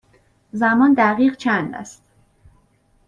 زمان دقیق چند است؟